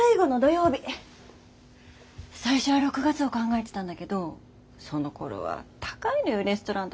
最初は６月を考えてたんだけどそのころは高いのよレストランとかも。